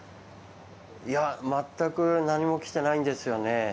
全く何も来ていなんですよね。